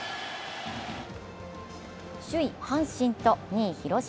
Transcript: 首位・阪神と２位・広島。